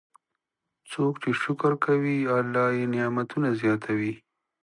څوک چې شکر کوي، الله یې نعمتونه زیاتوي.